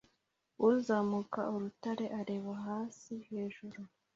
Uzamuka urutare areba hasi hejuru